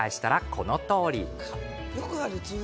このとおり。